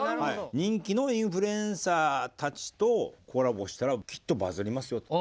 人気のインフルエンサーたちとコラボしたらきっとバズりますよと。